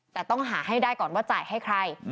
แต่ต้องหาให้ได้ก่อนว่าจ่ายให้ใคร